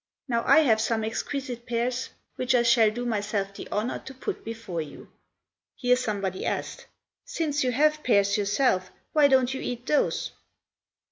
Now I have some exquisite pears which I shall do myself the honour to put before you." Here somebody asked, "Since you have pears yourself, why don't you eat those?"